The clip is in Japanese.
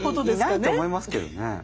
いないと思いますけどね。